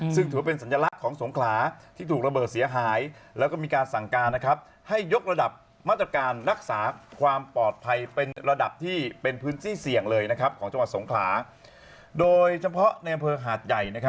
ซึ่งถือว่าเป็นสัญลักษณ์ของสงขลาที่ถูกระเบิดเสียหาย